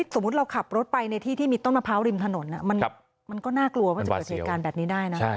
สมมุติเราขับรถไปในที่ที่มีต้นมะพร้าวริมถนนมันก็น่ากลัวว่าจะเกิดเหตุการณ์แบบนี้ได้นะ